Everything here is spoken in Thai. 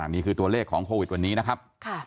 นี่คือตัวเลขของโควิดวันนี้นะครับ